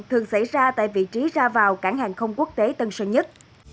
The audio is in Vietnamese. thường xảy ra tại vị trí ra vào cảng hàng không quốc tế tân sơn nhất